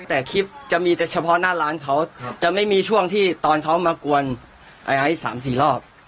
แต่คลิปจะมีแต่เฉพาะหน้าร้านเขาจะไม่มีช่วงที่ตอนเขามากวนไอซ์๓๔รอบ